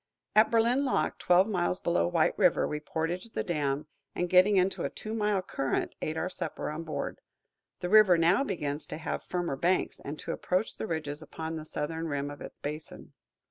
At Berlin lock, twelve miles below White River, we portaged the dam, and, getting into a two mile current, ate our supper on board. The river now begins to have firmer banks, and to approach the ridges upon the southern rim of its basin.